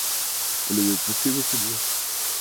Polideportivo Gral.